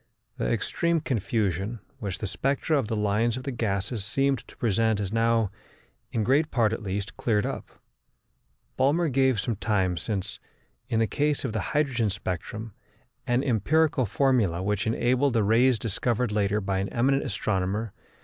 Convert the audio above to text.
The extreme confusion which the spectra of the lines of the gases seemed to present is now, in great part at least, cleared up. Balmer gave some time since, in the case of the hydrogen spectrum, an empirical formula which enabled the rays discovered later by an eminent astronomer, M.